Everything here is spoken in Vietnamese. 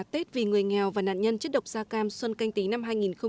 tết vì người nghèo và nạn nhân chất độc da cam xuân canh tí năm hai nghìn hai mươi